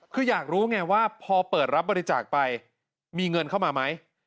คืออยากรู้ไงว่าพอเปิดรับบริจาคไปมีเงินเข้ามาไหม